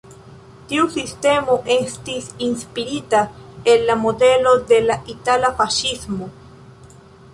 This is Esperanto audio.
Tiu sistemo estis inspirita el la modelo de la itala faŝismo.